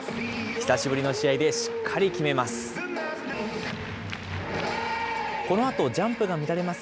久しぶりの試合でしっかり決めます。